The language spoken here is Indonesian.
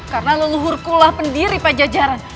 karena leluhurku lah pendiri pajajaran